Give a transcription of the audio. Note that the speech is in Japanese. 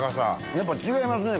やっぱ違いますね